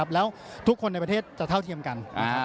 แล้วทุกคนในประเทศจะเท่าเทียมกัน